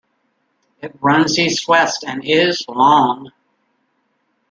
It runs east-west and is long.